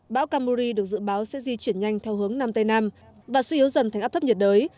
bão kamuri được dự báo sẽ di chuyển nhanh theo hướng nam tây nam và suy yếu dần thành áp thấp nhiệt đới